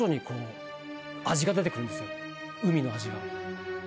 海の味が。